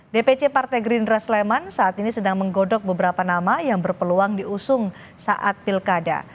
dpc partai gerindra sleman saat ini sedang menggodok beberapa nama yang berpeluang diusung saat pilkada